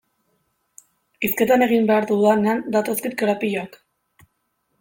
Hizketan egin behar dudanean datozkit korapiloak.